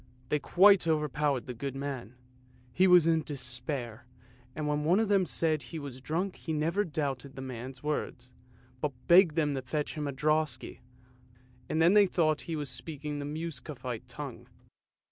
They quite overpowered the good man; he was in despair, and when one of them said he was drunk he never doubted the man's words, but begged them to fetch him a " droschky," and then they thought he was speaking the Muscovite tongue.